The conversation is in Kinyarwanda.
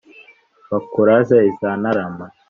bakuraze izi ntarama